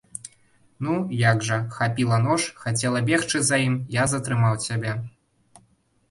Ну, як жа, хапіла нож, хацела бегчы за ім, я затрымаў цябе.